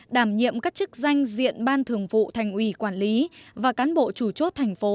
đảm nhiệm các chức danh diện ban thường vụ thành ủy quản lý và cán bộ chủ chốt thành phố